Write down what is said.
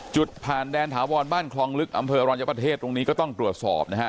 จุดผ่านแดนถาวรบ้านคลองลึกอำเภอรัญญประเทศตรงนี้ก็ต้องตรวจสอบนะฮะ